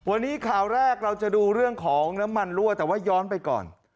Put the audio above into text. วันนี้ข่าวแรกเราจะดูเรื่องของน้ำมันรั่วแต่ว่าย้อนไปก่อน